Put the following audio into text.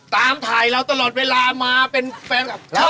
ตามถ่ายเราตลอดเวลามาเป็นแฟนกับเรา